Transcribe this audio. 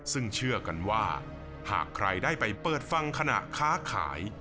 ซึ่งเชื่อกันว่าหากใครได้ไปเปิดฟังขณะค้าขาย